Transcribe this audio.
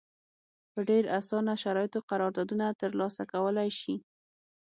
په ډېر اسانه شرایطو قراردادونه ترلاسه کولای شي.